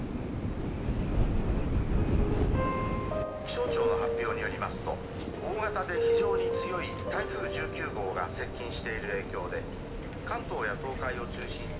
「気象庁の発表によりますと大型で非常に強い台風１９号が接近している影響で関東や東海を中心に」。